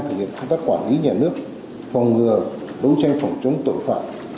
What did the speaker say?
thực hiện công tác quản lý nhà nước phòng ngừa đấu tranh phòng chống tội phạm